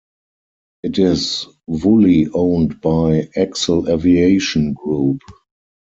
It is wholly owned by ExelAviation Group.